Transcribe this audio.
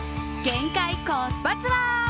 限界コスパツアー。